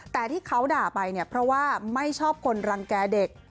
แต่ที่เขาด่าไปเนี่ยเพราะว่าไม่ชอบคนรังแก่เด็ก